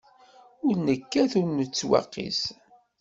Ur nekkat ur nettwaqis.